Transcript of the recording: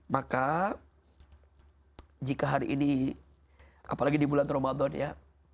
maka jika hari ini apalagi di bulan ramadan ya